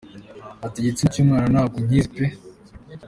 Ati “Igitsina cy’umwana ntabwo nkizi pe”.